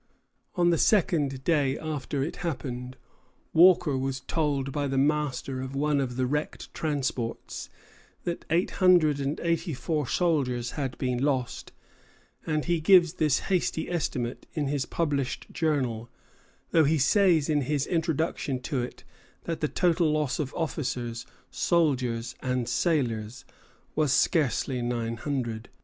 On the second day after it happened, Walker was told by the master of one of the wrecked transports that eight hundred and eighty four soldiers had been lost, and he gives this hasty estimate in his published Journal; though he says in his Introduction to it that the total loss of officers, soldiers, and sailors was scarcely nine hundred.